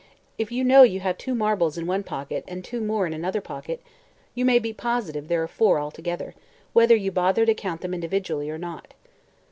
If you know you have two marbles in one pocket and two more in another pocket, you may be positive there are four altogether, whether you bother to count them individually or not."